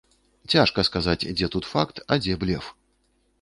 Цяжка сказаць, дзе тут факт, а дзе блеф.